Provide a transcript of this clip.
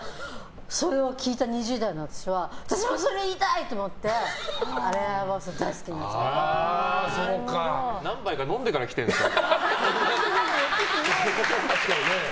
それを聞いた２０代の私は私もそれ言いたい！と思ってアレン・アイバーソン何杯か飲んでから来てるんですか。